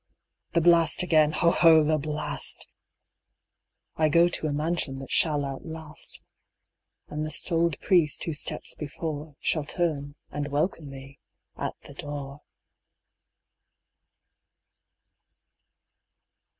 The blast again, ho, ho, the blast ! I go to a mansion that shall outlast ; And the stoled priest who steps before Shall turn and welcome me at the door.